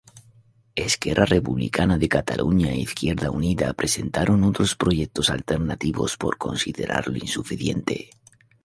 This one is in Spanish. Esquerra Republicana de Catalunya e Izquierda Unida presentaron otros proyectos alternativos por considerarlo insuficiente.